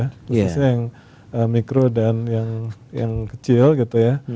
khususnya yang mikro dan yang kecil gitu ya